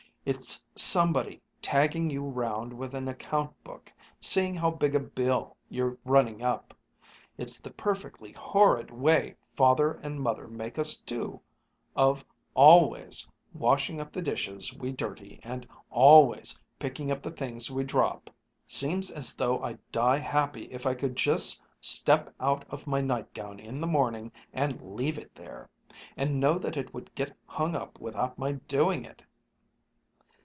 It's somebody tagging you round with an account book, seeing how big a bill you're running up. It's the perfectly horrid way Father and Mother make us do, of always washing up the dishes we dirty, and always picking up the things we drop. Seems as though I'd die happy, if I could just step out of my nightgown in the morning and leave it there, and know that it would get hung up without my doing it."